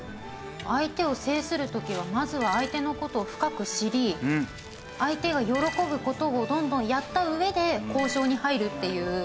相手を制する時はまずは相手の事を深く知り相手が喜ぶ事をどんどんやった上で交渉に入るっていう。